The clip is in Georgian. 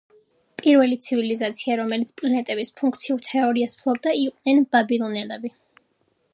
პირველი ცივილიზაცია, რომელიც პლანეტების ფუნქციურ თეორიას ფლობდა, იყვნენ ბაბილონელები,